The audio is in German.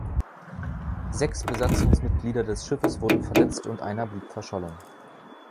Sechs Besatzungsmitglieder des Schiffes wurden verletzt und einer blieb verschollen.